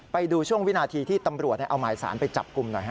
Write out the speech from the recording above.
ไปดูช่วงวินาทีที่ตำรวจเอาหมายสารไปจับกลุ่มหน่อยฮ